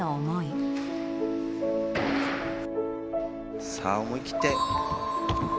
実況：さあ、思い切って。